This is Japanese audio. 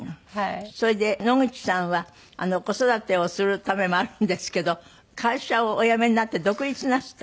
それで野口さんは子育てをするためもあるんですけど会社をお辞めになって独立なすった？